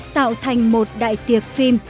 tạo thành một đại tiệc phim